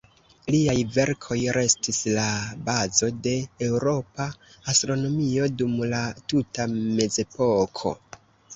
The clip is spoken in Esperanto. Liaj verkoj restis la bazo de eŭropa astronomio dum la tuta mezepoko.